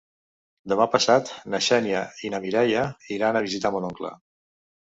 Demà passat na Xènia i na Mireia iran a visitar mon oncle.